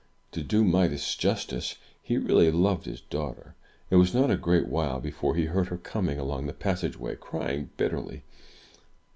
To do Midas justice, he really loved his daughter. It was not a great while before he heard her coming along the passageway crying bitterly.